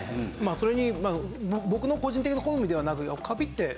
それに僕の個人的な好みではなく。